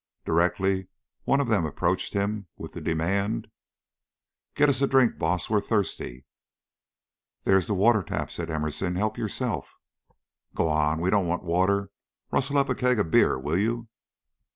Directly one of them approached him, with the demand: "Get us a drink, boss; we're thirsty." "There is the water tap," said Emerson. "Help yourself." "Go on! We don't want water. Rustle up a keg of beer, will you?"